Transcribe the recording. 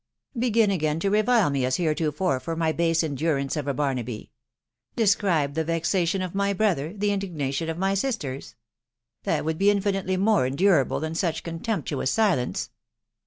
Begin again to revile me as hereto fore for my base endurance of a Barnaby .... describe idle vexation of my brother, the indignation of my sisters !.••. this would be infinitely more endurable than such con temptuous silence."